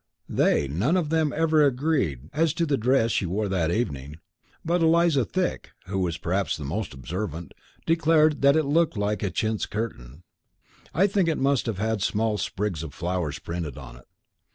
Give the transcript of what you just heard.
They none of them ever agreed as to the dress she wore that evening; but Eliza Thick, who was perhaps the most observant, declared that it looked like a chintz curtain. I think it must have had small sprigs of flowers printed on it.